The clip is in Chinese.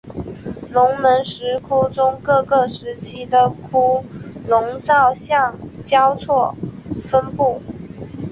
龙门石窟中各个时期的窟龛造像交错分布。